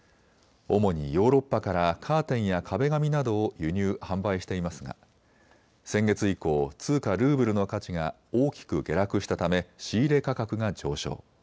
主にヨーロッパからカーテンや壁紙などを輸入・販売していますが先月以降、通貨ルーブルの価値が大きく下落したため仕入れ価格が上昇。